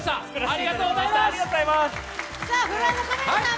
ありがとうございます。